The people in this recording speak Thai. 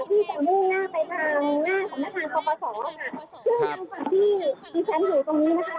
ที่ตรงนี้หน้าไปทางหน้าของหน้าทางข้อประสอบค่ะ